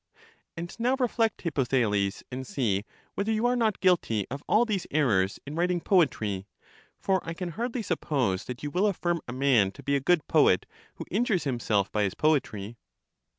And now reflect, Hippothales, and see whether you are not guilty of all these errors in writing poetry. For I can hardly suppose that you will affirm a man to be a good poet who injures himself by his poetry.